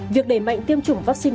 việc đẩy mạnh tiêm chủng vaccine